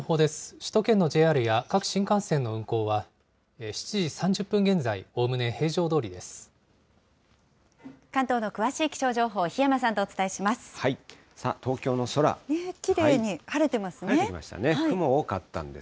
首都圏のＪＲや各新幹線の運行は、７時３０分現在、おおむね平常どおりです。